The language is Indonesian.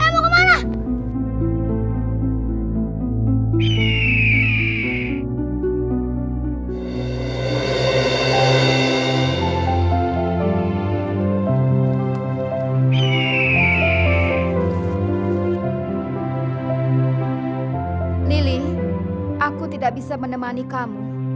lily aku tidak bisa menemani kamu